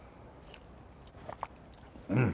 うん。